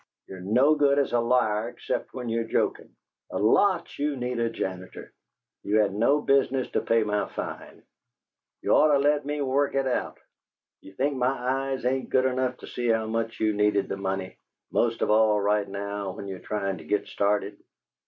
"You're no good as a liar except when you're jokin'. A lot you need a janitor! You had no business to pay my fine; you'd ort of let me worked it out. Do you think my eyes ain't good enough to see how much you needed the money, most of all right now when you're tryin' to git started?